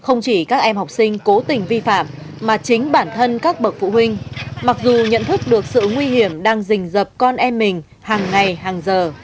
không chỉ các em học sinh cố tình vi phạm mà chính bản thân các bậc phụ huynh mặc dù nhận thức được sự nguy hiểm đang dình dập con em mình hàng ngày hàng giờ